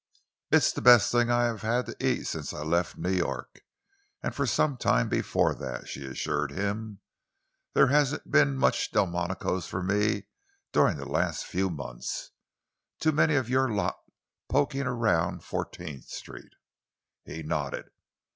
"It's the best thing I've had to eat since I left New York, and for some time before that," she assured him. "There hasn't been much Delmonico's for me during the last few months. Too many of your lot poking about Fourteenth Street." He nodded.